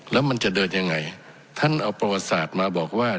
แล้วมันจะเดินยังไงท่านเอาประวัติศาสตร์มาบอกว่า